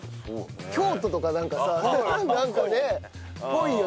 京都とかなんかさなんかねっぽいよね。